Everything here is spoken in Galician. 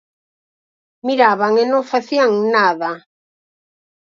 Miraban e non facían nada...